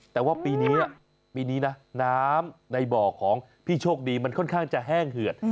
แต่ว่าปีนี้ปีนี้นะน้ำในบ่อของพี่โชคดีมันค่อนข้างจะแห้งเหือด